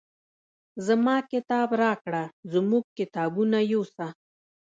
زما کتاب راکړه زموږ کتابونه یوسه.